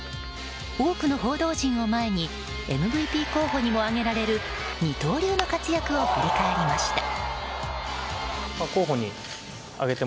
多くの報道陣を前にＭＶＰ候補にも挙げられる二刀流の活躍を振り返りました。